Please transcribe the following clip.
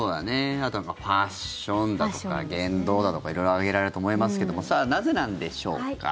あとファッションだとか言動だとか色々挙げられると思いますけどもなぜなんでしょうか。